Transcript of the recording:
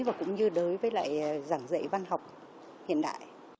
và cũng như đối với lại giảng dạy văn học hiện đại